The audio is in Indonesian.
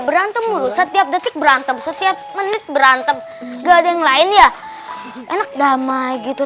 berantem berantem setiap detik berantem setiap menit berantem gading lain ya enak damai gitu